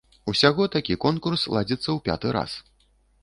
Усяго такі конкурс ладзіцца ў пяты раз.